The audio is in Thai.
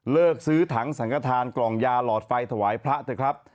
ซื้อถังสังกฐานกล่องยาหลอดไฟถวายพระเถอะครับ